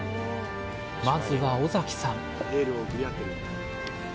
まずは尾崎さん